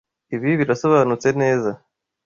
Ibi birasobanutse neza?